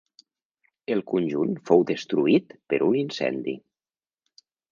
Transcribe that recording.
El conjunt fou destruït per un incendi.